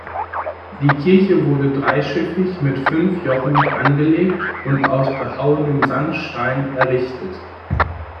Die Kirche wurde dreischiffig mit fünf Jochen angelegt und aus behauenem Sandstein errichtet.